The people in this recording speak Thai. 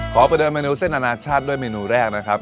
ไปเดินเมนูเส้นอนาชาติด้วยเมนูแรกนะครับ